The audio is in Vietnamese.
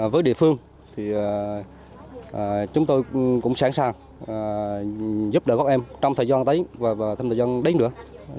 với địa phương thì chúng tôi cũng sẵn sàng giúp đỡ các em trong thời gian tới và trong thời gian đến nữa